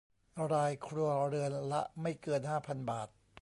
รายครัวเรือนละไม่เกินห้าพันบาท